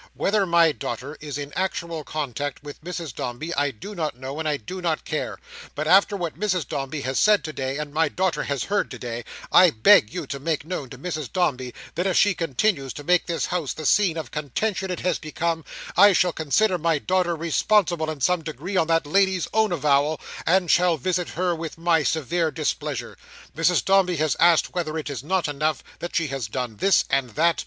Whether my daughter is in actual concert with Mrs Dombey, I do not know, and do not care; but after what Mrs Dombey has said today, and my daughter has heard today, I beg you to make known to Mrs Dombey, that if she continues to make this house the scene of contention it has become, I shall consider my daughter responsible in some degree, on that lady's own avowal, and shall visit her with my severe displeasure. Mrs Dombey has asked 'whether it is not enough,' that she had done this and that.